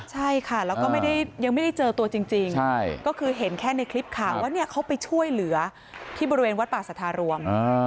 ใช่ค่ะแล้วก็ยังไม่ได้เจอตัวจริงก็คือเห็นแค่ในคลิปข่าวว่าเขาไปช่วยเหลือที่บริเวณวัดป่าสัทธารวม